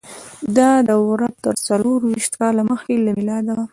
دا دوره تر څلور ویشت کاله مخکې له میلاده وه.